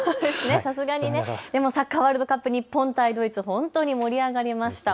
それでもサッカーワールドカップ日本対ドイツ、本当に盛り上がりました。